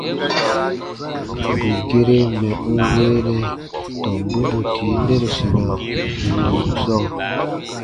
Bù gere mɛ̀ n weenɛ tɔmbu bù tii nɛnusina wùuru sɔɔ.